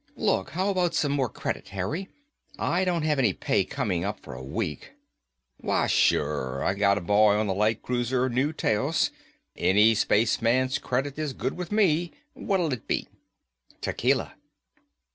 "Look, how about some more credit, Harry? I don't have any pay coming up for a week." "Why, sure. I got a boy on the light cruiser New Taos. Any spaceman's credit is good with me. What'll it be?" "Tequila."